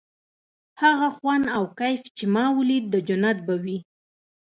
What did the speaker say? هغه خوند او کيف چې ما ويل د جنت به وي.